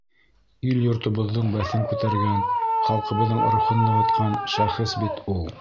Ил-йортобоҙҙоң бәҫен күтәргән, халҡыбыҙҙың рухын нығытҡан шәхес бит ул!